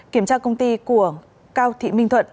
kiểm tra công ty của cao thị minh thuận